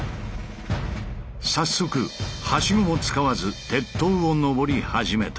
早速ハシゴも使わず鉄塔を登り始めた。